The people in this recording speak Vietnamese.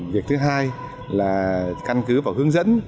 việc thứ hai là căn cứ và hướng dẫn